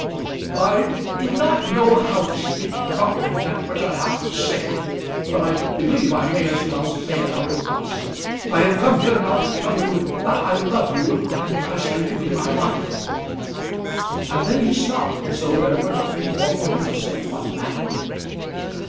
I do not know how to speak properly that which I have to say; but I believe I may as well say it out at once. I have come here now to tell you that I love you and to ask you to be my wife." And then he stopped as though there were nothing more for him to say upon the matter.